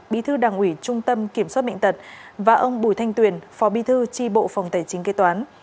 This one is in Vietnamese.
bí thư đảng ủy trung tâm kiểm soát bệnh tật và ông bùi thanh tuyền phó bi thư tri bộ phòng tài chính kế toán